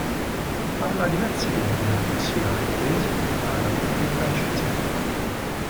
Parla diverse lingue ossia inglese, arabo e francese.